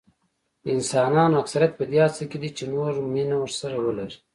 د انسانانو اکثریت په دې هڅه کې دي چې نور مینه ورسره ولري.